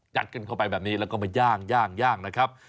กัดกันเข้าไปแบบนี้แล้วก็มาย่างนะครับ